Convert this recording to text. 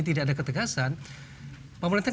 tidak ada ketegasan pemerintah